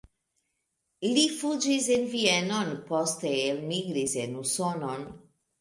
Li fuĝis en Vienon, poste elmigris en Usonon.